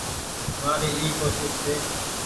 مآري اي ڪوشش ڇي ۔